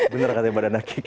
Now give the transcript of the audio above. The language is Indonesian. bener katanya banana kick